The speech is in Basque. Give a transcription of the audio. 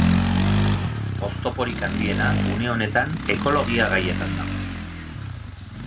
Oztoporik handiena une honetan ekologia gaietan dago.